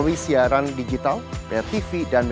warna tetap itu kenapa